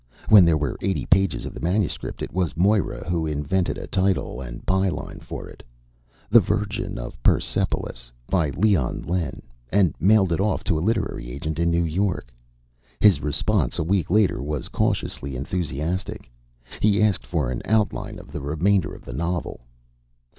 When there were eighty pages of the manuscript, it was Moira who invented a title and by line for it The Virgin of Persepolis by Leon Lenn and mailed it off to a literary agent in New York. His response, a week later, was cautiously enthusiastic. He asked for an outline of the remainder of the novel.